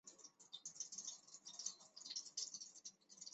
抚触男性肛门口也可造成更进一步的愉悦感。